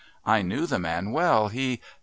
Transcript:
I knew the man well.... He ..."